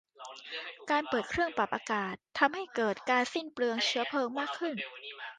การเปิดเครื่องปรับอากาศทำให้เกิดการสิ้นเปลืองเชื้อเพลิงมากขึ้น